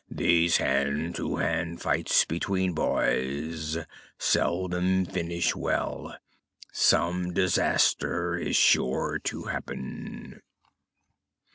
These hand to hand fights between boys seldom finish well. Some disaster is sure to happen!"